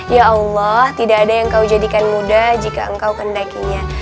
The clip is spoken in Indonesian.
ya allah tidak ada yang kau jadikan muda jika engkau kendakinya